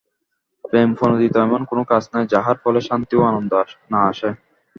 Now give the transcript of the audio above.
প্রেম-প্রণোদিত এমন কোন কাজ নাই, যাহার ফলে শান্তি ও আনন্দ না আসে।